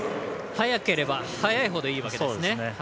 早ければ早いほどいいわけですね。